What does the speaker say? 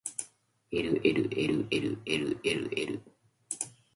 ｌｌｌｌｌｌｌ